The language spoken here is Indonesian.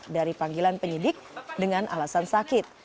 dari panggilan penyidik dengan alasan sakit